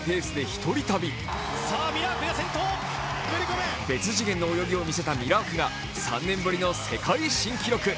一人だけ別次元の泳ぎを見せたミラークが３年ぶりの世界新記録。